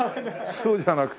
そうじゃなくて。